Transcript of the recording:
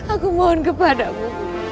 aku mohon kepadamu